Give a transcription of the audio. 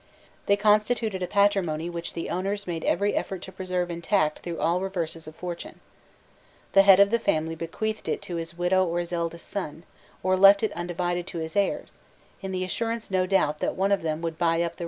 They constituted a patrimony which the owners made every effort to preserve intact through all reverses of fortune.* The head of the family bequeathed it to his widow or his eldest son, or left it undivided to his heirs, in the assurance, no doubt, that one of them would buy up the rights of the others.